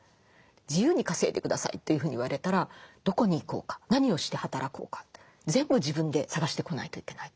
自由に稼いで下さいというふうに言われたらどこに行こうか何をして働こうか全部自分で探してこないといけない。